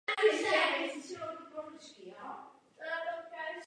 Vyhlídkové okružní plavby.